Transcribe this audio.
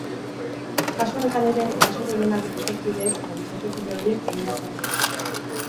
Kasu honetan ere, eraso gehienak bikotekideek edo bikotekide ohiek egindakoak dira.